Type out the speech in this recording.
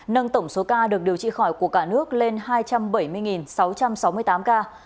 nâng tổng số ca được điều trị khỏi của cả nước lên hai trăm bảy mươi sáu trăm sáu mươi tám ca